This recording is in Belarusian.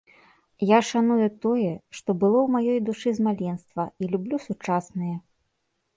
Я шаную тое, што было ў маёй душы з маленства і люблю сучаснае.